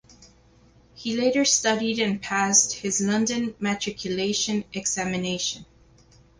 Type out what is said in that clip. He later studied and passed his London Matriculation Examination.